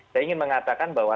saya ingin mengatakan bahwa